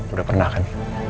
udah pernah kan